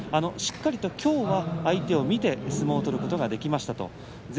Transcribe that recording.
しっかりときょうは相手を見て相撲を取ることができました。